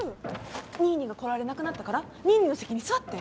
ニーニーが来られなくなったからニーニーの席に座って！